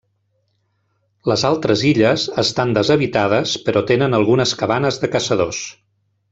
Les altres illes estan deshabitades però tenen algunes cabanes de caçadors.